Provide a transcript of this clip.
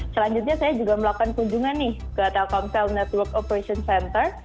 selanjutnya saya juga melakukan kunjungan nih ke telkomsel network operation center